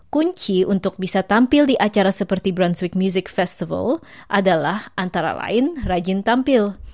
kunci untuk bisa tampil di acara seperti bronsweek music festival adalah antara lain rajin tampil